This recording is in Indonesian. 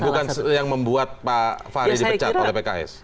bukan yang membuat pak fahri dipecat oleh pks